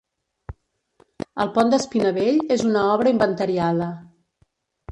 El Pont d'Espinavell és una obra inventariada.